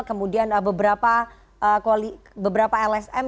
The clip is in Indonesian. kemudian beberapa lsm